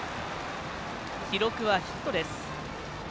記録はヒットです。